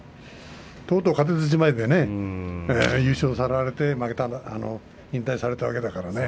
とうとう勝てずじまいで優勝をさらわれて引退されたわけだからね。